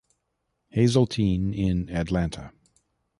Hazeltine, in Atlanta.